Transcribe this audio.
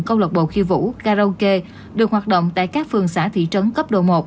cơ lộc bộ khiêu vũ karaoke được hoạt động tại các phường xã thị trấn cấp độ một